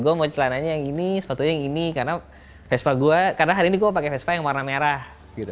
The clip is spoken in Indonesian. gue mau celananya yang ini sepatunya yang ini karena vespa gue karena hari ini gue pakai vespa yang warna merah gitu